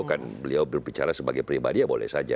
bukan beliau berbicara sebagai pribadi ya boleh saja